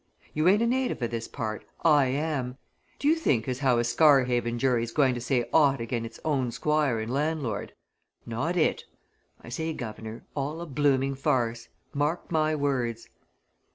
You ain't a native o' this part I am. D'you think as how a Scarhaven jury's going to say aught agen its own Squire and landlord? Not it! I say, guv'nor all a blooming farce! Mark my words!"